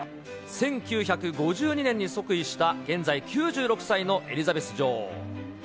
１９５２年に即位した、現在９６歳のエリザベス女王。